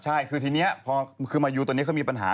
ใช่คือทีนี้พอคือมายูตัวนี้เขามีปัญหา